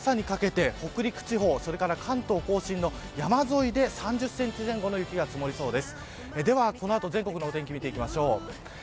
明日の朝にかけて、北陸地方それから関東甲信の山沿いで３０センチ前後の雪が積もりそうです。